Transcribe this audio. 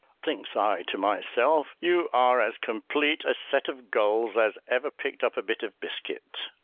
Thinks I to myself, "You are as complete a set of gulls as ever picked up a bit of biscuit!"